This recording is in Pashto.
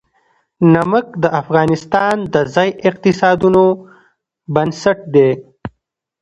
نمک د افغانستان د ځایي اقتصادونو بنسټ دی.